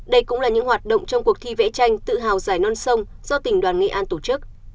đây cũng là những hoạt động trong cuộc thi vẽ tranh tự hào giải non sông do tỉnh đoàn nghệ an tổ chức